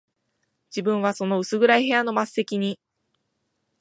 自分はその薄暗い部屋の末席に、